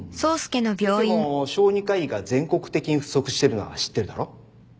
先生も小児科医が全国的に不足してるのは知ってるだろ？